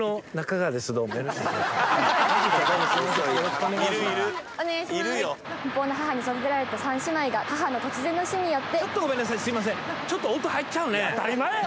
奔放な母に育てられた３姉妹が母の突然の死によって。